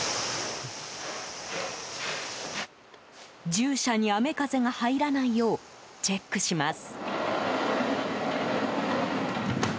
獣舎に雨風が入らないようチェックします。